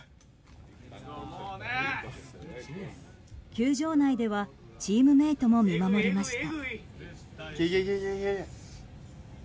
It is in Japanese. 球場内ではチームメートも見守りました。